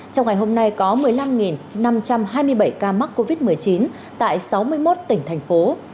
trong ngày hôm nay có một mươi năm năm trăm hai mươi bảy ca mắc covid một mươi chín tại sáu mươi một tỉnh thành phố